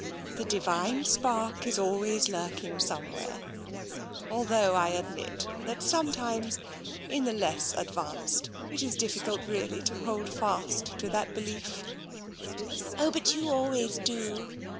The Divine Spark is always lurking somewhere — although I admit that some times, in the less advanced, it is difficult really to hold fast to that belief.'' '* Oh, but you always do